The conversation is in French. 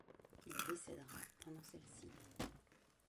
Il décédera pendant celle-ci.